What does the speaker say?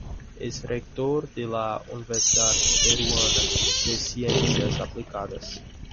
Ex-rector de la Universidad Peruana de Ciencias Aplicadas.